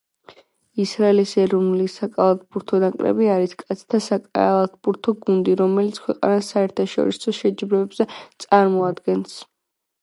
ისრაელის ეროვნული საკალათბურთო ნაკრები არის კაცთა საკალათბურთო გუნდი, რომელიც ქვეყანას საერთაშორისო შეჯიბრებებზე წარმოადგენს.